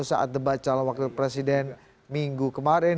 saat debat calon wakil presiden minggu kemarin